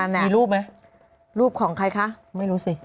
อ่านั่นแหละมีรูปไหมรูปของใครคะไม่รู้สิ